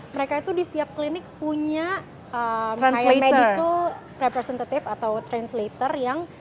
mereka itu di setiap klinik punya kayak representative atau translator yang